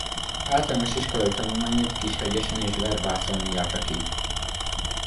Általános iskolai tanulmányait Kishegyesen és Verbászon járta ki.